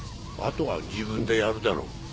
あとは自分でやるだろう。